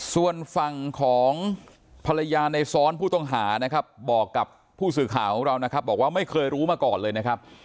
ส่วนฝั่งของภรรยาในซ้อนผู้ต้องหานะครับบอกกับผู้สื่อข่าวของเรานะครับบอกว่าไม่เคยรู้มาก่อนเลยนะครับ